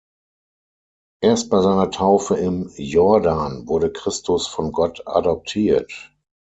Erst bei seiner Taufe im Jordan wurde Christus von Gott adoptiert.